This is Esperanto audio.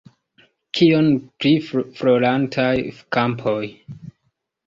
Kion pri florantaj kampoj?